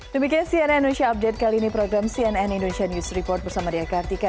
demikian cnn indonesia update kali ini program cnn indonesia news report bersama dea kartika